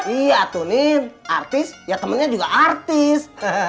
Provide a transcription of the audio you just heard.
iya tuh nih artis ya temennya juga artis